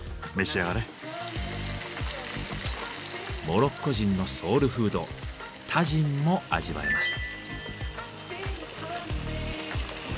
モロッコ人のソウルフードタジンも味わえます。